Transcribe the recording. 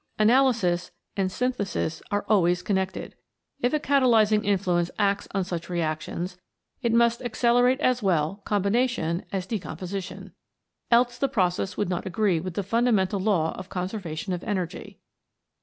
Analysis and synthesis are always connected. If a catalysing influence acts on such reactions, it must accelerate as well combination as decomposition. Else the process would not agree with the fundamental law of conservation of energy.